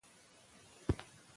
که اوروژونکي وي نو اور نه خپریږي.